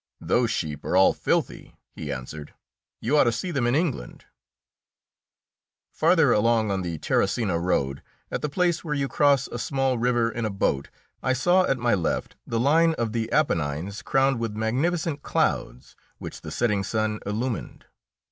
"Those sheep are all filthy," he answered; "you ought to see them in England." Farther along on the Terracina road, at the place where you cross a small river in a boat, I saw at my left the line of the Apennines crowned with magnificent clouds, which the setting sun illumined.